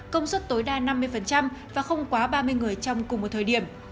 công suất tối đa năm mươi và không quá ba mươi người trong cùng một thời điểm